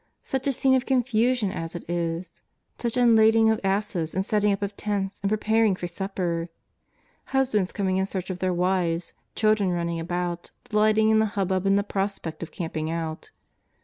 Such a scene of confusion as it is. Such unlading of asses, and setting up of tents, and preparation for supper; husbands coming in search of their wives, children run ning about, delighting in the hubbub and the prospect of camping out.